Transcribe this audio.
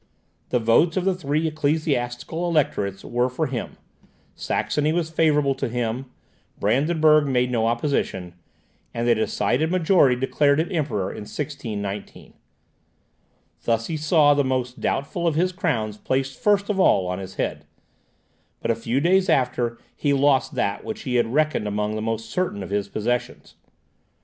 The votes of the three ecclesiastical electorates were for him, Saxony was favourable to him, Brandenburg made no opposition, and a decided majority declared him Emperor in 1619. Thus he saw the most doubtful of his crowns placed first of all on his head; but a few days after he lost that which he had reckoned among the most certain of his possessions.